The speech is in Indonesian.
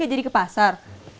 kami juga punya tinha kacu nya